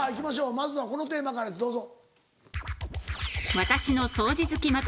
まずはこのテーマからですどうぞ。